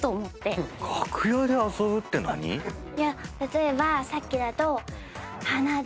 例えばさっきだと。